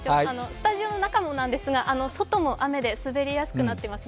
スタジオの中もなんですが、外も雨で滑りやすくなっています。